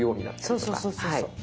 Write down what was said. そうそうそうそうそう。